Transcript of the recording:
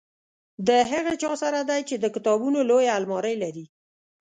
د هغه چا سره دی چې د کتابونو لویه المارۍ لري.